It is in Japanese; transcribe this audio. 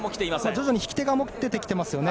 徐々に引き手が持ててきてますよね。